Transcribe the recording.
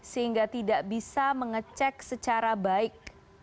sehingga tidak bisa mengecek secara baik